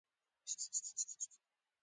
هره پوښتنه یو نوی درک راوړي.